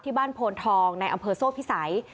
บ้านโพนทองในอำเภอโซ่พิสัย